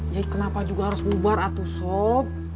ya kenapa juga harus bubar atu sob